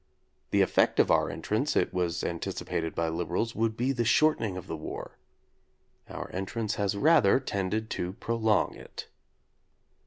The effect of our entrance, it was anticipated by liberals, would be the shorten ing of the war. Our entrance has rather tended to prolong it.